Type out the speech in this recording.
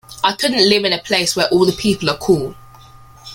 I couldn't live in a place where all the people are cool.